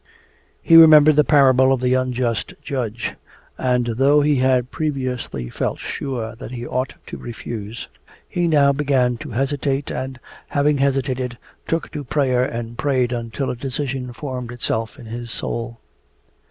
He remembered the parable of the unjust judge, and though he had previously felt sure that he ought to refuse, he now began to hesitate and, having hesitated, took to prayer and prayed until a decision formed itself in his soul.